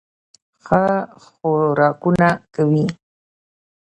ښه خوراکونه کوي